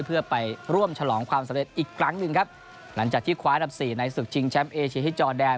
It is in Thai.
เพื่อไปร่วมฉลองความสำเร็จอีกครั้งหนึ่งครับหลังจากที่คว้าอันดับสี่ในศึกชิงแชมป์เอเชียที่จอแดน